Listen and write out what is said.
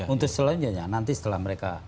untuk selanjutnya nanti setelah mereka